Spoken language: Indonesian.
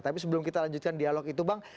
tapi sebelum kita lanjutkan dialog itu bang